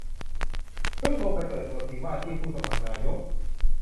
เพิ่งลงไปเปิดตัวทีมว่าที่ผู้สมัครนายก